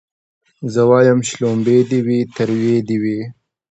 زه وايم شلومبې دي وي تروې دي وي